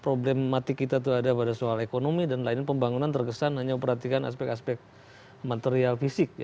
problematik kita tuh ada pada soal ekonomi dan lainnya pembangunan terkesan hanya perhatikan aspek aspek material fisik